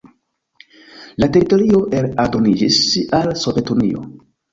La teritorio aldoniĝis al Sovetunio.